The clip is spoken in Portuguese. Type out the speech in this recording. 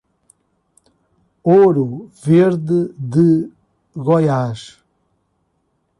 Ouro Verde de Goiás